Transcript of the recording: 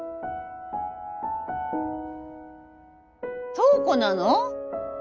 瞳子なの？